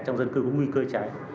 trong dân cư có nguy cơ cháy